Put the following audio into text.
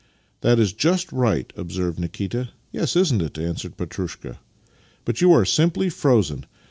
" That is just right," observed Nikita. " Yes, isn't it? " answered Petrushka. " But 3'ou are simply frozen.